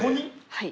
はい。